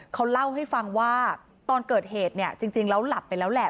เขาเล่าให้ฟังว่าตอนเกิดเหตุเนี่ยจริงแล้วหลับไปแล้วแหละ